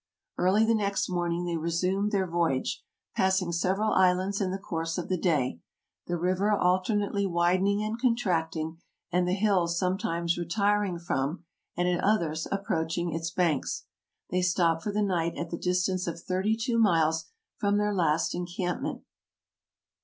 '' Early the next morning they resumed their voyage, passing several islands in the course of the day, the river alternately widening and contracting, and the hills some times retiring from, and at others approaching, its banks. They stopped for the night at the distance of thirty two miles from their last encampment.